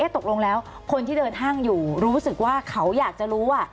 ตกลงแล้วคนที่เดินห้างอยู่รู้สึกว่าเขาอยากจะรู้